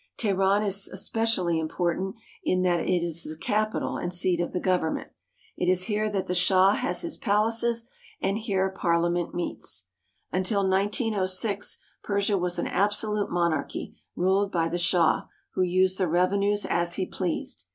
Teheran is especially important in that it is the capital and seat of the government. It is here that the Shah has his palaces, and here parHament meets. Until 1906 Persia was an absolute monarchy ruled by the Shah, v/ho used the revenues as he pleased.